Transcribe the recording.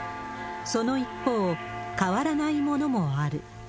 その一方、変わらないものもある。